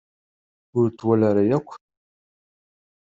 Ur t-tawala ara yakk.